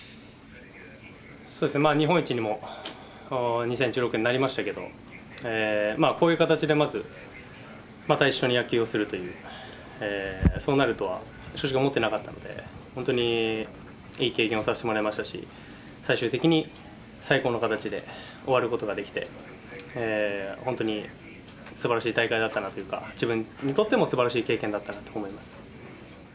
日本一にも２０１６年、なりましたけど、こういう形でまず、また一緒に野球をするという、そうなるとは正直思ってなかったので、本当にいい経験をさせてもらいましたし、最終的に最高の形で終わることができて、本当にすばらしい大会だったなというか、自分にとってもすばらしい経験だったなと思います。